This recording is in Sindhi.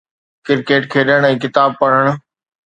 ڪرڪيٽ کيڏڻ ۽ ڪتاب پڙهڻ.